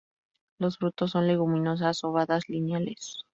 Los frutos son leguminosas-ovadas lineales.